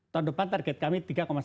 tahun depan target kami tiga sembilan